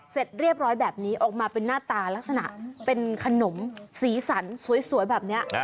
เสร็จเรียบร้อยแบบนี้ออกมาเป็นหน้าตาลักษณะเป็นขนมสีสันสวยแบบนี้